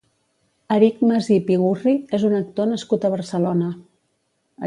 Eric Masip i Gurri és un actor nascut a Barcelona.